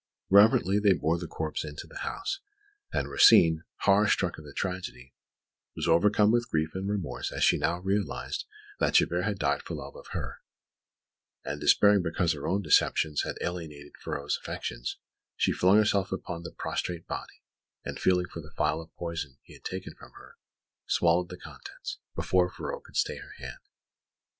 Reverently they bore the corpse into the house; and Rosine, horror struck at the tragedy, was overcome with grief and remorse as she now realised that Chabert had died for love of her, and despairing because her own deceptions had alienated Ferraud's affections, she flung herself upon the prostrate body, and feeling for the phial of poison he had taken from her, swallowed the contents, before Ferraud could stay her hand.